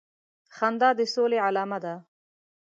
خندا د سولي علامه ده